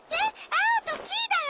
アオとキイだよ！